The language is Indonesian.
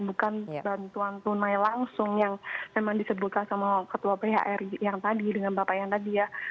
bukan bantuan tunai langsung yang memang disebutkan sama ketua phri yang tadi dengan bapak yang tadi ya